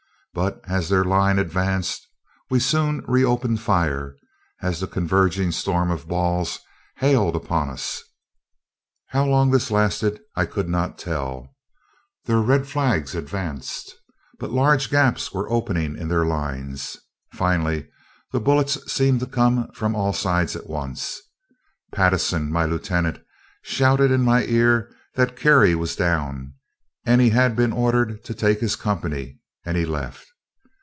But, as their line advanced, we soon re opened fire, as the converging storm of balls hailed upon us. How long this lasted, I could not tell. Their red flags advanced, but large gaps were opening in their lines. Finally, the bullets seemed to come from all sides at once. Pattison, my lieutenant, shouted in my ear that Cary was down, and he had been ordered to take his company; and he left.